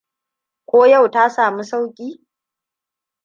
Ko yau ta saamu sauki?